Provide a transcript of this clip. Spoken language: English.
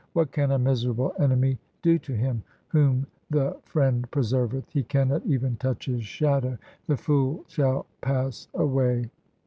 What can a miserable enemy do to him whom the Friend preserveth ? He cannot even touch his shadow ; the fool shall pass away.